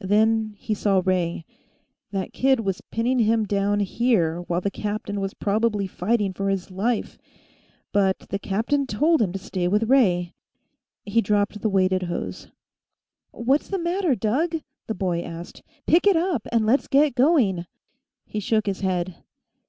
Then he saw Ray. That kid was pinning him down, here, while the captain was probably fighting for his life! But the captain'd told him to stay with Ray He dropped the weighted hose. "What's the matter, Doug?" the boy asked. "Pick it up and let's get going." He shook his head.